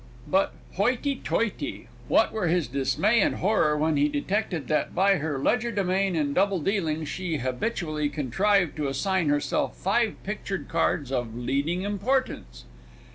But, hoity toity! what were his dismay and horror, when he detected that by her legerdemain in double dealing she habitually contrived to assign herself five pictured cards of leading importance!